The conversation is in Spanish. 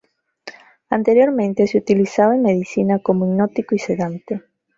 Anteriormente se le utilizaba en medicina como hipnótico y sedante.